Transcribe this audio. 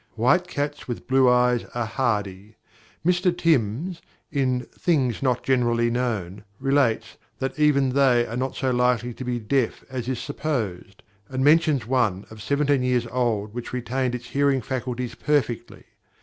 White cats with blue eyes are hardy. Mr. Timbs, in "Things Not Generally Known," relates that even they are not so likely to be deaf as is supposed, and mentions one of seventeen years old which retained its hearing faculties perfectly.